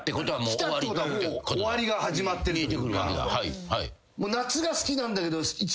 来たってことは終わりが始まってるというか。